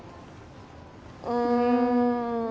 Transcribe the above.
うん。